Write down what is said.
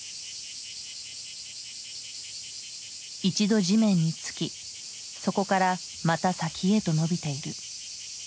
一度地面につきそこからまた先へと伸びている。